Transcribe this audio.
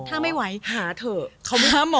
ถ้าไม่ไหวหาเถอะ